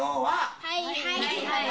「はいはいはいはい」